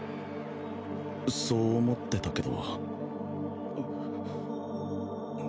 そう思ってたけど